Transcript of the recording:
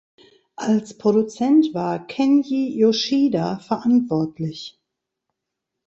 Als Produzent war Kenji Yoshida verantwortlich.